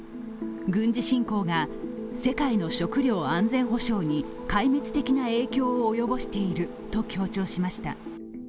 軍事侵攻が世界の食糧安全保障に壊滅的な影響を及ぼしていると強調しました。